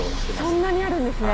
そんなにあるんですね。